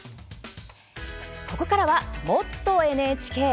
ここからは「もっとＮＨＫ」。